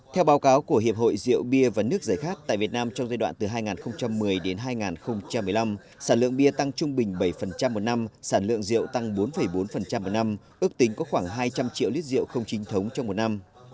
theo báo cáo của hiệp hội rượu bia và nước giải khát tại việt nam trong giai đoạn từ hai nghìn một mươi đến hai nghìn một mươi năm sản lượng bia tăng trung bình bảy một năm sản lượng rượu tăng bốn bốn một năm ước tính có khoảng hai trăm linh triệu lít rượu không chính thống trong một năm